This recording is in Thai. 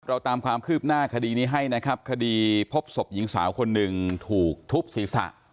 เราตามความคืบหน้าคดีนี้ให้นะครับคดีพบศพหญิงสาวคนหนึ่งถูกทุบศีรษะ